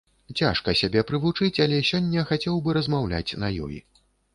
Цяжка сябе прывучыць, але сёння хацеў бы размаўляць на ёй.